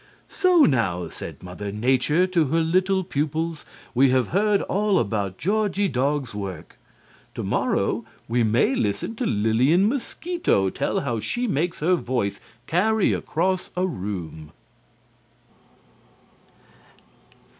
"So now," said Mother Nature to her little pupils, "we have heard all about Georgie Dog's work. To morrow we may listen to Lillian Mosquito tell how she makes her voice carry across a room."